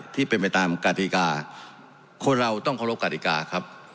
ที่เป็นไปตามกราธิกาคนเราต้องคงรบกราธิกาครับ